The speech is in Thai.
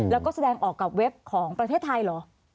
แล้วก็แสดงออกกับเว็บของประเทศไทยเหรอ